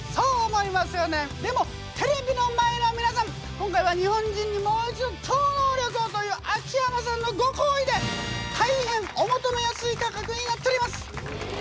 今回は「日本人にもう一度超能力を」という秋山さんのご厚意で大変お求めやすい価格になっております。